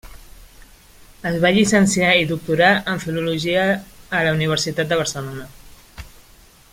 Es va llicenciar i doctorar en Filologia a la Universitat de Barcelona.